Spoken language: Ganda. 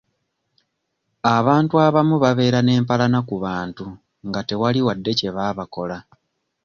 Abantu abamu babeera n'empalana ku bantu nga tewali wadde kye baabakola.